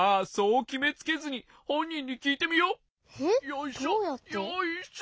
よいしょよいしょ。